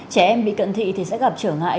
trẻ em bị cận thị thì sẽ gặp trở ngại